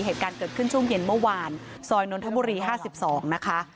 เหตุการณ์เกิดขึ้นช่วงเย็นเมื่อวานซอยนนทบุรี๕๒นะคะ